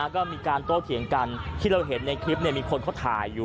ก็มีการโต้เถียงกันที่เราเห็นในคลิปมีคนเขาถ่ายอยู่